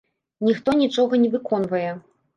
Ніхто нічога не выконвае.